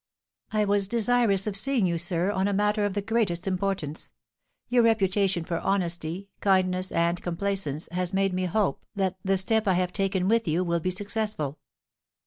"I was desirous of seeing you, sir, on a matter of the greatest importance. Your reputation for honesty, kindness, and complaisance has made me hope that the step I have taken with you will be successful."